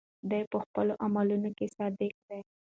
دی په خپلو عملونو کې صادق دی.